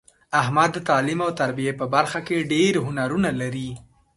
احمد د تعلیم او تربیې په برخه کې ډېر هنرونه لري.